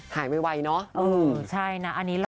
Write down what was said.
หายไม่ไวเนอะเออใช่นะอันนี้เรา